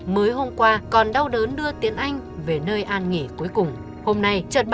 mới hôm nay đã được thử nghiệm